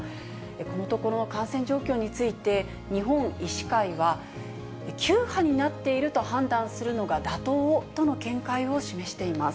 このところの感染状況について、日本医師会は、９波になっていると判断するのが妥当との見解を示しています。